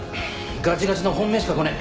ガチガチの本命しかこねえ。